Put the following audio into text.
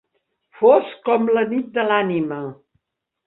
Fosc com la nit de l'ànima.